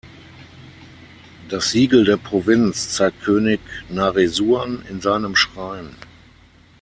Das Siegel der Provinz zeigt König Naresuan in seinem Schrein.